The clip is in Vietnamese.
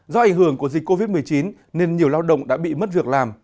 do ảnh hưởng của dịch covid một mươi chín nên nhiều lao động đã bị mất việc làm